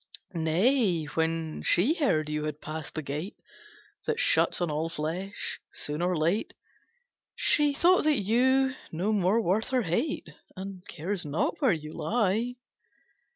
"Nay: when she heard you had passed the Gate That shuts on all flesh soon or late, She thought you no more worth her hate, And cares not where you lie.